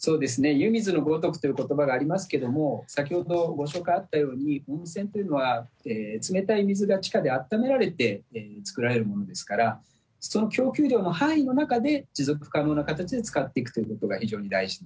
湯水のごとくということばがありますけども、先ほど、ご紹介あったように、温泉というのは、冷たい水が地下であっためられて作られるものですから、その供給量の範囲の中で持続可能な形で使っていくということが非